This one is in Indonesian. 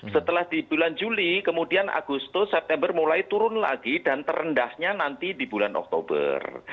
setelah di bulan juli kemudian agustus september mulai turun lagi dan terendahnya nanti di bulan oktober